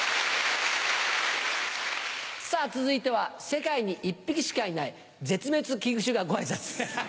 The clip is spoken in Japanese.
続いては世界に１匹しかいない絶滅危惧種がご挨拶。